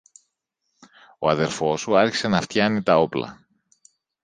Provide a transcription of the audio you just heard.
ο αδελφός σου άρχισε να φτιάνει τα όπλα